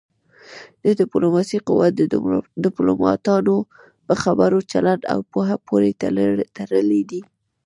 د ډيپلوماسی قوت د ډيپلوماټانو په خبرو، چلند او پوهه پورې تړلی دی.